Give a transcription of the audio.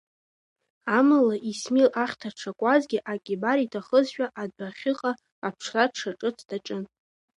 Амала Исмил ахьҭа дшакуазгьы ак ибар иҭахызшәа адәахьыҟа аԥшра дшаҿыц даҿын.